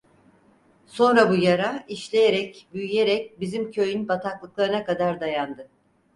Sonra bu yara, işleyerek, büyüyerek bizim köyün baltalıklarına kadar dayandı.